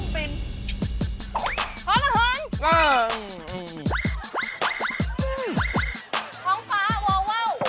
พุ่งเป็น